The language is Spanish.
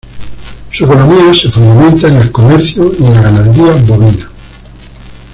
Su economía se fundamenta en el comercio y en la ganadería bovina.